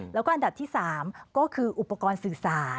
แล้วก็อันดับที่๓ก็คืออุปกรณ์สื่อสาร